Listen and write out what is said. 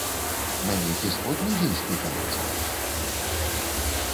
На нейкі сход людзей склікаеце?